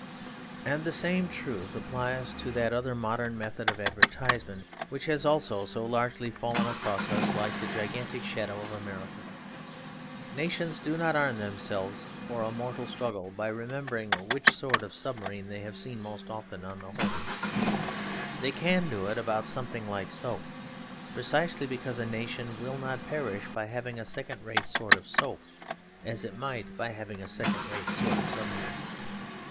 And the same truth applies to that other modern method of advertisement, which has also so largely fallen across us like the gigantic shadow of America. Nations do not arm themselves for a mortal struggle by remembering which sort of submarine they have seen most often on the hoardings. They can do it about something like soap, precisely because a nation will not perish by having a second rate sort of soap, as it might by having a second rate sort of submarine.